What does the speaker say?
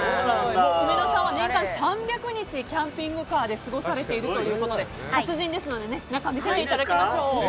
うめのさんは年間３００日キャンピングカーで過ごされているということで達人ですので中を見せていただきましょう。